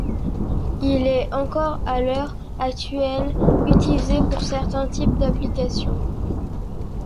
Il est encore à l'heure actuelle utilisé pour certains types d'application.